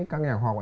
các nhà khoa học